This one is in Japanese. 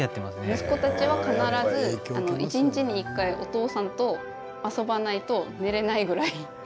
息子たちは必ず一日に１回お父さんと遊ばないと寝れないぐらい。